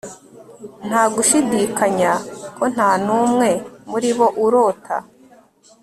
nta gushidikanya ko nta n'umwe muri bo urota